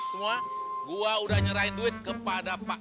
semua gue udah nyerahin duit kepada pak